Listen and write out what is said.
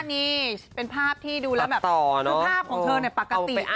นี่เป็นภาพที่ดูแล้วแบบคือภาพของเธอปกตินั่นแหละ